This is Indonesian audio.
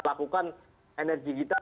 lakukan energi kita